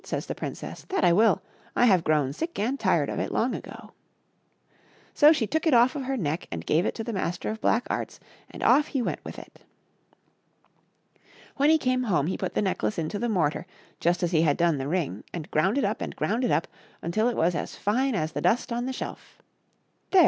says the princess, " that I will ! I have grown sick and tired of it long ago." So she took it off of her neck and gave it to the Master of Black Arts, and off he went with it. When he came home he put the necklace into the mortar, just as he had done the ring, and ground it up and ground it up until it was as fine as the dust on the shelf. There